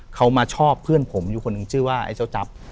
เขามาชอบเพื่อนผมอยู่คนหนึ่งชื่อว่าไอ้เจ้าจับ